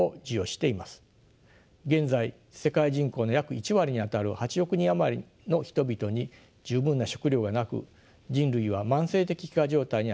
現在世界人口の約１割にあたる８億人余りの人々に十分な食糧がなく人類は慢性的飢餓状態にあるとされます。